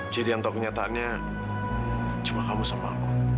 jadi yang tahu kenyataannya cuma kamu sama aku